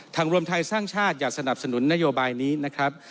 รวมไทยสร้างชาติอย่าสนับสนุนนโยบายนี้นะครับ